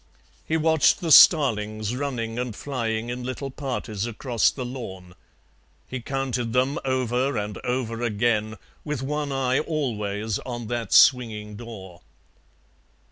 He watched the starlings running and flying in little parties across the lawn; he counted them over and over again, with one eye always on that swinging door.